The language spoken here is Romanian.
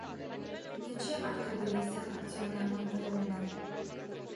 De ce ar trebui să acționăm împreună?